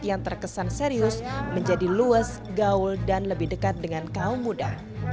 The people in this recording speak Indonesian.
yang terkesan serius menjadi luwes gaul dan lebih dekat dengan kaum muda